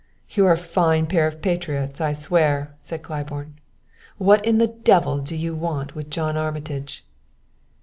"You are a fine pair of patriots, I swear," said Claiborne. "What in the devil do you want with John Armitage?"